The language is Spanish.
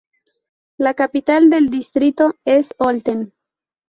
La capital del distrito es Olten.